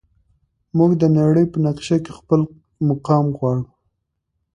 موږ د نړۍ په نقشه کې خپل مقام غواړو.